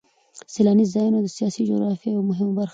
سیلاني ځایونه د سیاسي جغرافیه یوه مهمه برخه ده.